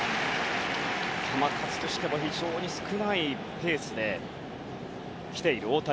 球数としては非常に少ないペースで来ている大谷。